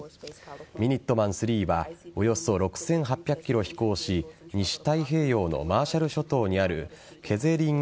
ミニットマン３はおよそ６８００ｋｍ飛行し西太平洋のマーシャル諸島にあるクェゼリン